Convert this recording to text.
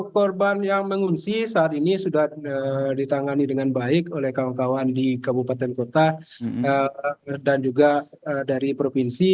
korban yang mengungsi saat ini sudah ditangani dengan baik oleh kawan kawan di kabupaten kota dan juga dari provinsi